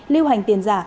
lưu hành tiền giả